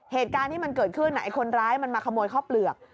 เหตุการณ์ที่มันเกิดขึ้นไอ้คนร้ายมันมาขโมยข้าวเปลือก